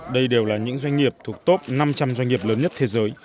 đây đều là những doanh nghiệp thuộc top năm trăm linh doanh nghiệp lớn nhất thế giới